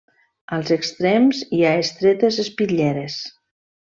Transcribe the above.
Als extrems hi ha estretes espitlleres.